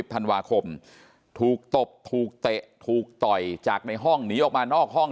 ธันวาคมถูกตบถูกเตะถูกต่อยจากในห้องหนีออกมานอกห้อง